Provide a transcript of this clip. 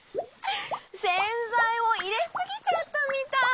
せんざいをいれすぎちゃったみたい。